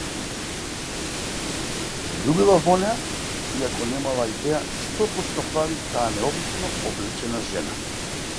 Се заљубила во неа, иако немала идеја што точно прави таа необично облечена жена.